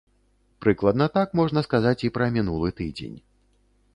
Прыкладна так можна сказаць і пра мінулы тыдзень.